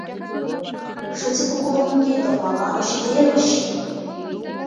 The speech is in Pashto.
ښځې په کورونو کې د غواګانو شیدې لوشي.